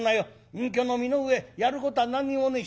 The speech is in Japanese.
隠居の身の上やることは何にもねえ。